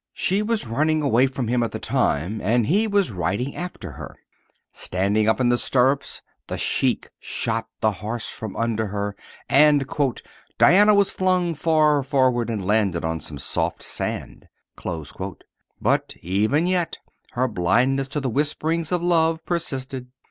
She was running away from him at the time and he was riding after her. Standing up in the stirrups, the Sheik shot the horse from under her and "Diana was flung far forward and landed on some soft sand." But even yet her blindness to the whispering of love persisted.